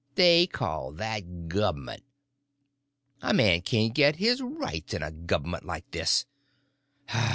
They call that govment! A man can't get his rights in a govment like this.